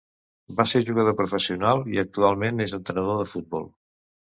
Va ser jugador professional i actualment és entrenador de futbol.